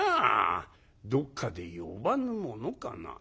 どっかで呼ばぬものかな」。